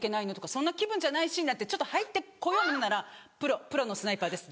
そんな気分じゃないし」なんてちょっと入って来ようものなら「プロプロのスナイパーです」